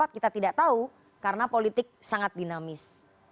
kita tidak tahu karena politik sangat dinamis